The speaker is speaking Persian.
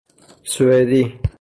سوئدی